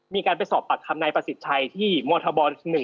มีการไปสอบปากคำนายประสิทธิ์ชัยที่มธบ๑